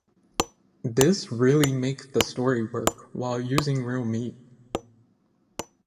This really make the story work while using real meat.